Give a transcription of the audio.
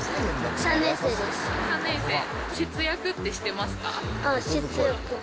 ３年生、節約ってしてますか？